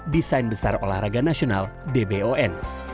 desain besar olahraga nasional dbon